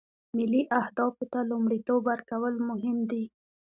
ملي اهدافو ته لومړیتوب ورکول مهم دي